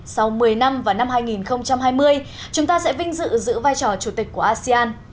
sau một mươi năm vào năm hai nghìn hai mươi chúng ta sẽ vinh dự giữ vai trò chủ tịch của asean